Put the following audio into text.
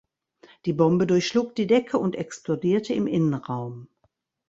Die Bombe durchschlug die Decke und explodierte im Innenraum.